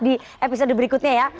di episode berikutnya ya